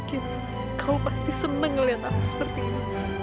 aku yakin kamu pasti senang melihat aku seperti ini